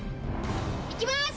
いきます！